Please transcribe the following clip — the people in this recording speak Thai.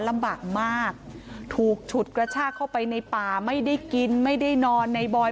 ลำบากมากถูกฉุดกระชากเข้าไปในป่าไม่ได้กินไม่ได้นอนในบอย